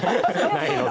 ないので。